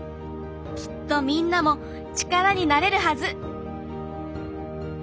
きっとみんなも力になれるはず。